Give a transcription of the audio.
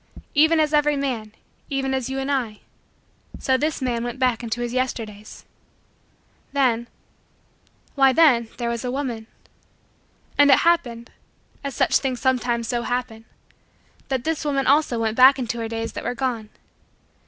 Even as every man, even as you and I, so this man went back into his Yesterdays. Then why then there was a woman. And it happened as such things sometimes so happen that this woman also went back into her days that were gone.